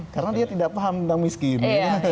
karena dia tidak paham tentang miskin